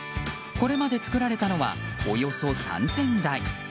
これまで作られたのはおよそ３０００台。